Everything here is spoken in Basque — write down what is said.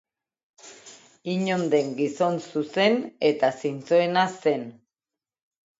Inon den gizon zuzen eta zintzoena zen.